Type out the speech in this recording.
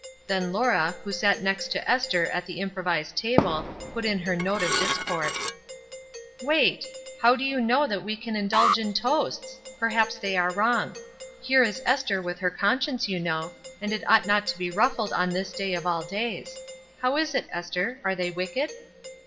Then Laura, who sat next to Esther at the improvised table, put in her note of discord. "Wait ! how do you know that we can indulge in toasts? Perhaps they are wrong. Here is Esther with her conscience, you know, and it ought not to be ruffled on this day of all days. How is it, Esther, are they wicked?"